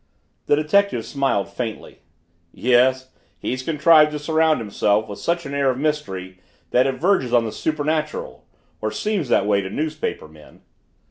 The detective smiled faintly. "Yes, he's contrived to surround himself with such an air of mystery that it verges on the supernatural or seems that way to newspapermen."